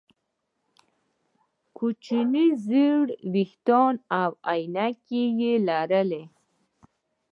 کوچنی چې ژیړ ویښتان او عینکې یې لرلې